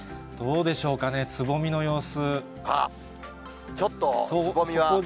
どうでしょうかね、つぼみのちょっとつぼみは。